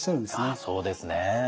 ああそうですね。